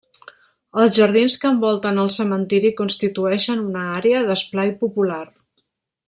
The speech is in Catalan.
Els jardins que envolten el cementiri constitueixen una àrea d'esplai popular.